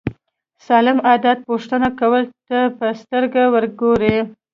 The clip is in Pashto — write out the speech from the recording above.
سالم عادت پوښتنه کولو ته په سترګه وګورو.